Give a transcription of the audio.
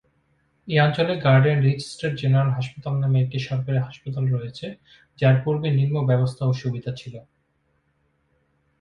এই অঞ্চলে Garden Reach State General হাসপাতাল নামে একটি সরকারী হাসপাতাল রয়েছে যার পূর্বে নিম্ন ব্যবস্থা ও সুবিধা ছিল।